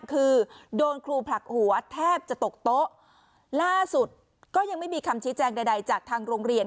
คือโดนครูผลักหัวแทบจะตกโต๊ะล่าสุดก็ยังไม่มีคำชี้แจงใดใดจากทางโรงเรียน